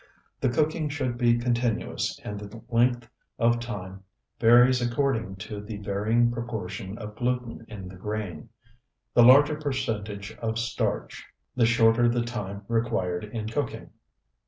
The cooking should be continuous and the length of time varies according to the varying proportion of gluten in the grain. The larger percentage of starch, the shorter the time required in cooking.